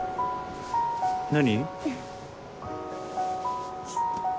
何？